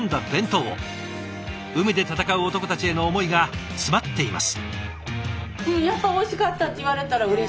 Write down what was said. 海で戦う男たちへの思いが詰まっています。